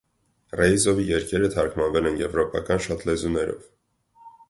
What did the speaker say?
Ռեիզովի երկերը թարգմանվել են եվրոպական շատ լեզուներով։